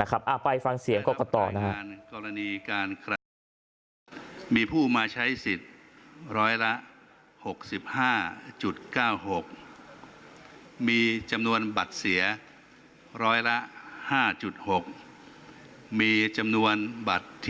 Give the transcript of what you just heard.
นะครับไปฟังเสียงก็ต่อนะครับ